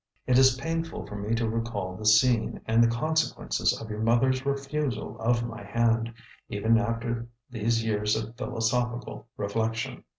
"It is painful for me to recall the scene and the consequences of your mother's refusal of my hand, even after these years of philosophical reflection.